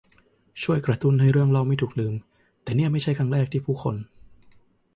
ช่วยกระตุ้นให้เรื่องเล่าไม่ถูกลืม แต่นี่ไม่ใช่ครั้งแรกที่ผู้คน